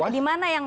di mana yang